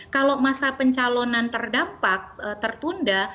kalau masa pencalonan terdampak tertunda